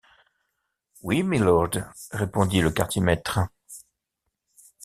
Oui, mylord, répondit le quartier-maître.